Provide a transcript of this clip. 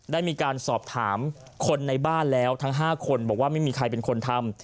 ได้มีการสอบถามคนในบ้านแล้วทั้ง๕คนบอกว่าไม่มีใครเป็นคนทำ